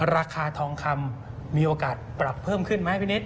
ราคาทองคำมีโอกาสปรับเพิ่มขึ้นไหมพี่นิด